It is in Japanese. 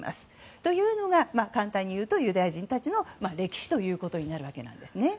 というのが、簡単に言うとユダヤ人たちの歴史というわけです。